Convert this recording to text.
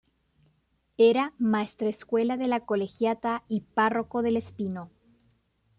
Era Maestrescuela de la Colegiata y párroco del Espino.